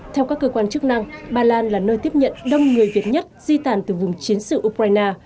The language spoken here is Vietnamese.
theo các cơ quan chức năng ba lan là nơi tiếp nhận đông người việt nhất di tản từ vùng chiến sự ukraine